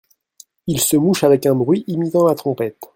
Il se mouche avec un bruit imitant la trompette.